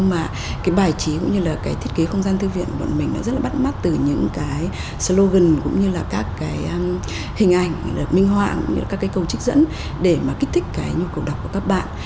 mà kích thích cái nhu cầu đọc của các bạn